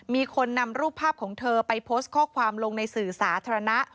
มีคนนำรูปภาพของเธอไปโพสต์ข้อความลงในสื่อสาธารณะ